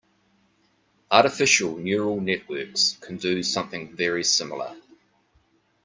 Artificial neural networks can do something very similar.